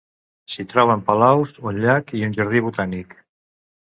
S'hi troben palaus, un llac i un jardí botànic.